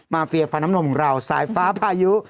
เฟียฟ้าน้ำนมของเราสายฟ้าพายุ